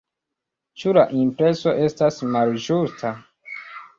Ĉu la impreso estas malĝusta?